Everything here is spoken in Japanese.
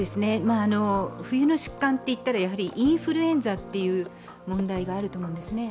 冬の疾患といったらやはりインフルエンザの問題があると思うんですね。